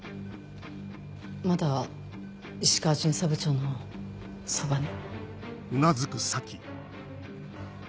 まだ石川巡査部長のそばに。